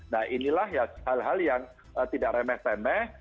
nah inilah hal hal yang tidak remeh temeh